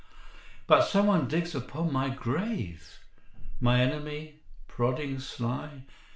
'" "But someone digs upon my grave? My enemy? prodding sly?"